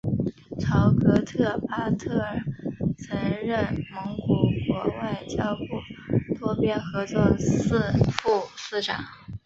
朝格特巴特尔曾任蒙古国外交部多边合作司副司长。